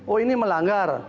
oh ini melanggar